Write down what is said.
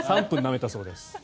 ３分なめたそうです。